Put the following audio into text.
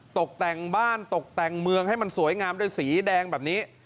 ตกแต่งบ้านตกแต่งเมืองให้มันสวยงามด้วยสีแดงแบบนี้